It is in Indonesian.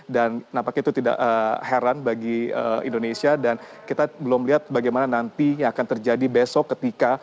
dan nampaknya itu tidak heran bagi indonesia dan kita belum lihat bagaimana nantinya akan terjadi besok ketika